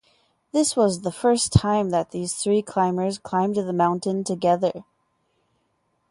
This was the first time that these three climbers climbed the mountain together.